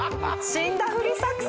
死んだふり作戦！